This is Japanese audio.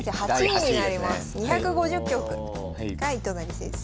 ２５０局が糸谷先生。